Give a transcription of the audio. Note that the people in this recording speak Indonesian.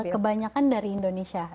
kebanyakan dari indonesia